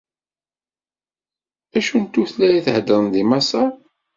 Acu n tutlayt heddren deg Maṣer?